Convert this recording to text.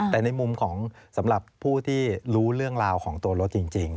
แต่ในมุมของสำหรับผู้ที่รู้เรื่องราวของตัวรถจริง